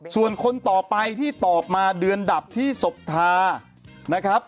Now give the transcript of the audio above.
ส่วนคนต่อไปที่ตอบมาเดือนดับที่ศพทานะครับ